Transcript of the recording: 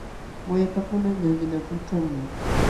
Wayapakuna llallinakulkanmi.